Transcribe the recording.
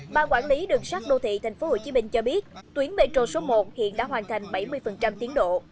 ban quản lý đường sắt đô thị tp hcm cho biết tuyến metro số một hiện đã hoàn thành bảy mươi tiến độ